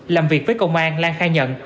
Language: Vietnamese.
làm việc với công an lan khai nhận